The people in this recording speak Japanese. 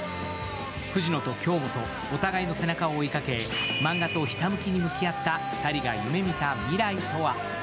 藤野と京本、お互いの背中を追いかけ、マンガとひたむきに向き合った２人が夢見た未来とは。